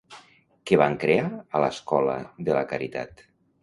Què van crear a l'escola de la Caritat?